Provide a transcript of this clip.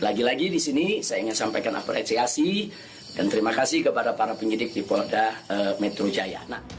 lagi lagi di sini saya ingin sampaikan apresiasi dan terima kasih kepada para penyidik di polda metro jaya